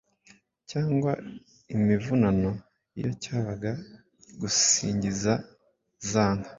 cyangwa imivunano iyo cyabaga gisingiza za nka